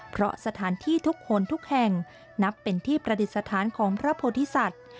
เพราะสถานที่ทุกคนทุกแห่งนับเป็นที่ประดิษฐานของพระโพธิสัตว์